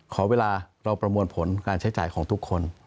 ขอเวลาเราประมวลผลการใช้จ่ายของทุกคน